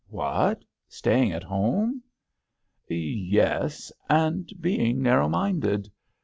" What ? Staying at home ?"" Yes — and being narrow minded."